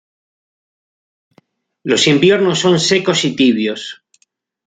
Los inviernos son secos y tibios.